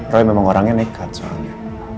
tapi memang orangnya nekat soalnya